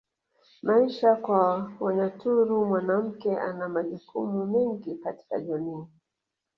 Maisha kwa Wanyaturu mwanamke ana majukumu mengi katika jamii